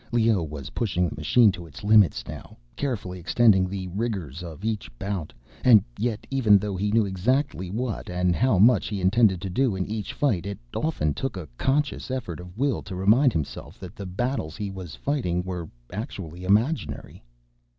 Leoh was pushing the machine to its limits now, carefully extending the rigors of each bout. And yet, even though he knew exactly what and how much he intended to do in each fight, it often took a conscious effort of will to remind himself that the battles he was fighting were actually imaginary.